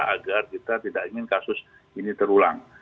agar kita tidak ingin kasus ini terulang